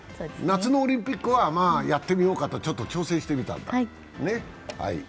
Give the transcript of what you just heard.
夏のオリンピックはやってみようかと、ちょっと挑戦してみたんだ。